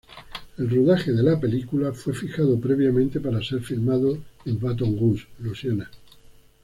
El rodaje de la película, fue fijado previamente para ser filmado en Baton Rouge, Luisiana.